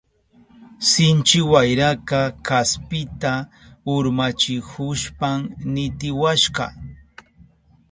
Sinchi wayraka kaspita urmachihushpan nitiwashka.